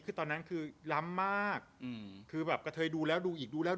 คือตอนนั้นคือล้ำมากอืมคือแบบกระเทยดูแล้วดูอีกดูแล้ว